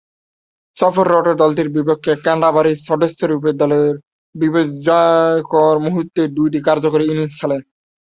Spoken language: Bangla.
সফররত দলটির বিপক্ষে ক্যান্টারবারির সদস্যরূপে দলের বিপর্যয়কর মুহুর্তে দুইবার কার্যকরী ইনিংস খেলেন।